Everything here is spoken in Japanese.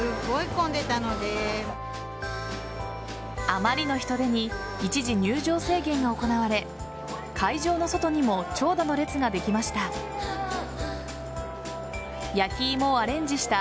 あまりの人出に一時、入場制限が行われ会場の外にも長蛇の列ができました。